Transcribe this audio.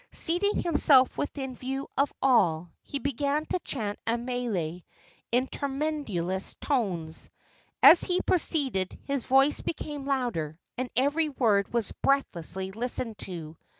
Seating himself within view of all, he began to chant a mele in tremulous tones. As he proceeded his voice became louder, and every word was breathlessly listened to.